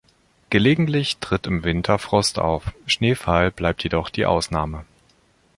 Gelegentlich tritt im Winter Frost auf; Schneefall bleibt jedoch die Ausnahme.